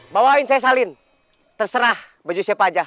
bawain saya salin terserah baju siapa aja